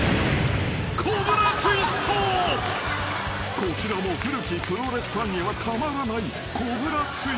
［こちらも古きプロレスファンにはたまらないコブラツイスト］